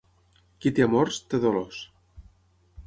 Qui té amors, té dolors.